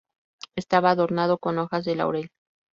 Estaba adornado con hojas de laurel.